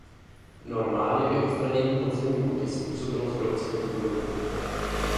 Normálně by odstranění podzemní vody způsobilo zhroucení budovy.